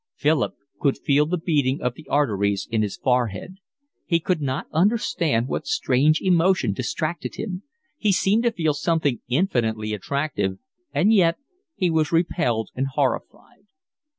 Philip could feel the beating of the arteries in his forehead. He could not understand what strange emotion distracted him; he seemed to feel something infinitely attractive, and yet he was repelled and horrified.